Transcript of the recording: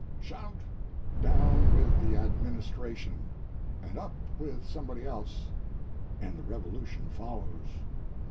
Shout, down with the Administration! and up with somebody else, and revolution follows.